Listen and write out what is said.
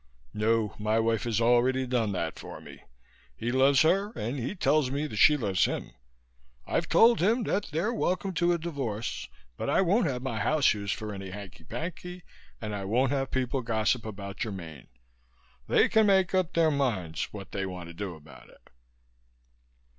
"No, my wife has already done that for me. He loves her and he tells me that she loves him. I've told him that they're welcome to a divorce but I won't have my house used for any hanky panky and won't have people gossip about Germaine. They can make up their minds what they want to do about it."